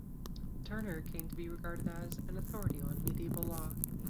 Turner came to be regarded as an "authority on medieval law".